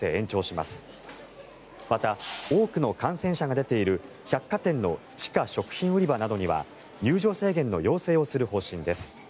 また、多くの感染者が出ている百貨店の地下食品売り場などには入場制限の要請をする方針です。